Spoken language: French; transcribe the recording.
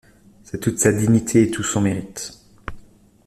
C’est toute sa dignité et tout son mérite.